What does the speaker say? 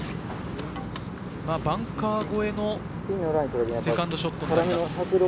バンカー越えのセカンドショットになります。